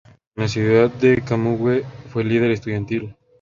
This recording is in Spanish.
En la ciudad de Camagüey fue líder estudiantil.